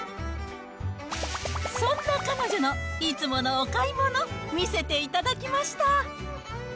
そんな彼女のいつものお買い物見せていただきました。